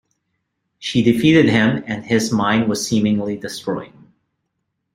She defeated him, and his mind was seemingly destroyed.